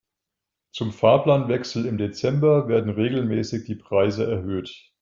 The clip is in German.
Zum Fahrplanwechsel im Dezember werden regelmäßig die Preise erhöht.